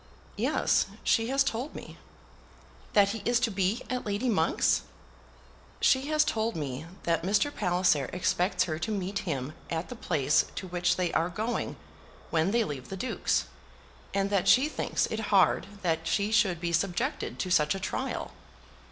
"Yes; she has told me." "That he is to be at Lady Monk's?" "She has told me that Mr. Palliser expects her to meet him at the place to which they are going when they leave the Duke's, and that she thinks it hard that she should be subjected to such a trial."